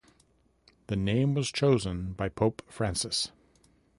The name was chosen by Pope Francis.